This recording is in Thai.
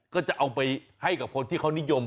ก็จะเอาไปให้กับคนที่เขานิยม